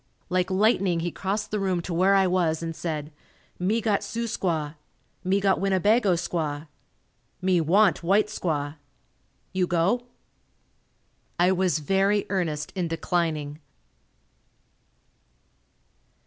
Like lightning he crossed the room to where I was and said, "Me got Sioux squaw. Me got Winnebago squaw. Me want white squaw. You go?" I was very earnest in declining.